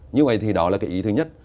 như vậy thì đó là cái ý thứ nhất